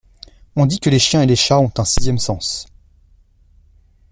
On dit que les chiens et les chats ont un sixième sens.